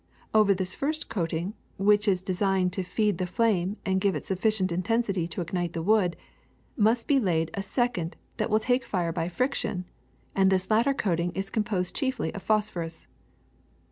Over this first coating, which is designed to feed the flame and give it suf ficient intensity to ignite the wood, must be laid a second that will take fire by friction ; and this latter coating is composed chiefly of phosphorus.